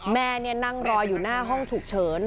แม่นั่งรออยู่หน้าห้องฉุกเฉิน